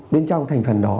bên trong thành phần đó